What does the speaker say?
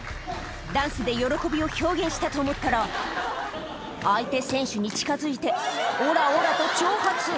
ダンスで喜びを表現したと思ったら、相手選手に近づいて、おらおらと挑発。